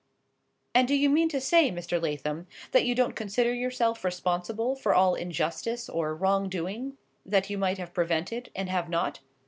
"And do you mean to say, Mr. Lathom, that you don't consider yourself responsible for all injustice or wrong doing that you might have prevented, and have not?